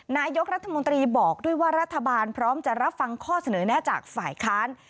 นายกรัฐมนตรีบอกด้วยว่ารัฐบาลพร้อมจะรับฟังข้อเสนอแน่จากฝ่ายค้าน